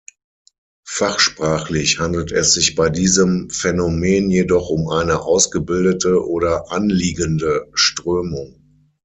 Fachsprachlich handelt es sich bei diesem Phänomen jedoch um eine "ausgebildete" oder "anliegende" Strömung.